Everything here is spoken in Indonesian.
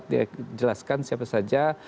dia jelaskan siapa saja